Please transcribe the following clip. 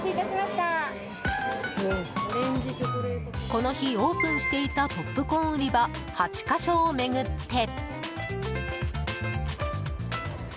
この日、オープンしていたポップコーン売り場８か所を巡って。